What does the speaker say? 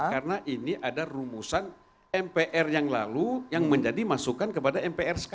karena ini ada rumusan mpr yang lalu yang menjadi masukan kepada mpr